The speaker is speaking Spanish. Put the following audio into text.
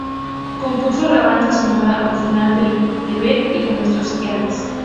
Compuso la banda sonora original de "El deber" y de "Nuevos ideales".